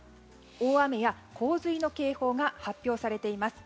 大雨や洪水の警報が発表されています。